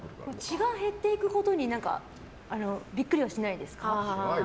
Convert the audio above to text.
血が減っていくことにビックリはしないですか？